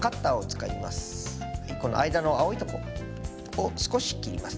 この間の青いとこを少し切ります。